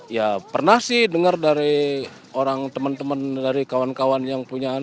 ya pernah sih dengar dari orang teman teman dari kawan kawan yang punya